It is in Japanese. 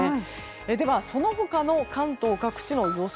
では、その他の関東各地の予想